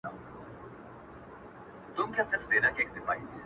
چوروندک ته هره ورځ راتلل عرضونه٫